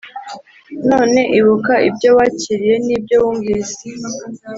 Nuko ibuka ibyo wākiriye n’ibyo wumvise,